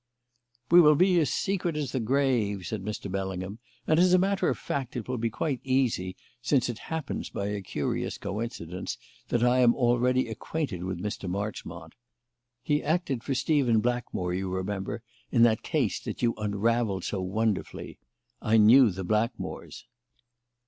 "We will be as secret as the grave," said Mr. Bellingham; "and, as a matter of fact, it will be quite easy, since it happens, by a curious coincidence, that I am already acquainted with Mr. Marchmont. He acted for Stephen Blackmore, you remember, in that case that you unravelled so wonderfully. I knew the Blackmores."